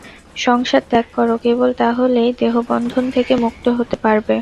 সংসার ত্যাগ কর, কেবল তা হলেই দেহবন্ধন থেকে মুক্ত হতে পারবে।